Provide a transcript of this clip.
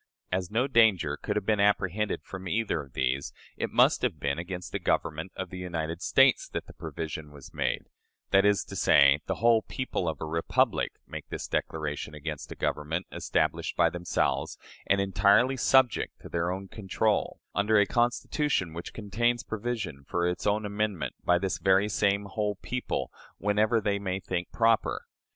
As no danger could have been apprehended from either of these, it must have been against the Government of the United States that the provision was made; that is to say, the whole people of a republic make this declaration against a Government established by themselves and entirely subject to their own control, under a Constitution which contains provision for its own amendment by this very same "whole people," whenever they may think proper!